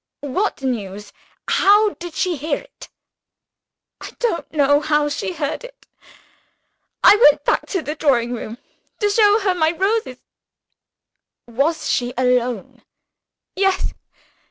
"What news? How did she hear it?" "I don't know how she heard it. I went back to the drawing room to show her my roses " "Was she alone?" "Yes!